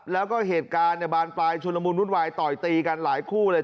แล้วก็เหตุการณ์เนี่ยบานปลายชุลมุนวุ่นวายต่อยตีกันหลายคู่เลย